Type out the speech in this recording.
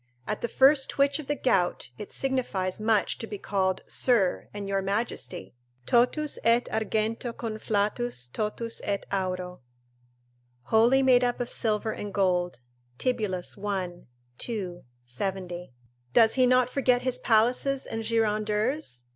At the first twitch of the gout it signifies much to be called Sir and Your Majesty! "Totus et argento conflatus, totus et auro;" ["Wholly made up of silver and gold." Tibullus, i. 2, 70.] does he not forget his palaces and girandeurs?